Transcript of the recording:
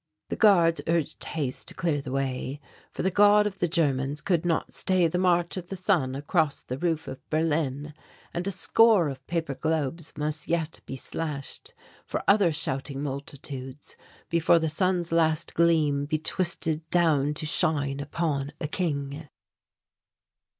The guards urged haste to clear the way, for the God of the Germans could not stay the march of the sun across the roof of Berlin, and a score of paper globes must yet be slashed for other shouting multitudes before the sun's last gleam be twisted down to shine upon a king.